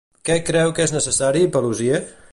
Què creu que és necessari Paluzie?